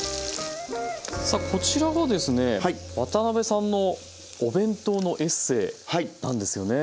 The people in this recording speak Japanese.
さあこちらがですね渡辺さんのお弁当のエッセイなんですよね。